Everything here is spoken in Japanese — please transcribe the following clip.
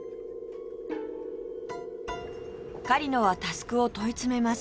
狩野は佑を問い詰めます